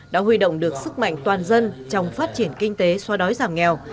đã huy động được sức mạnh toàn dân trong phát triển kinh tế xoa đói giảm nghèo